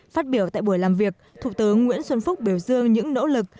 phát biểu tại buổi làm việc thủ tướng nguyễn xuân phúc biểu dương những nỗ lực